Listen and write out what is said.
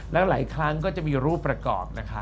แล้วหลายครั้งก็จะมีรูปประกอบนะคะ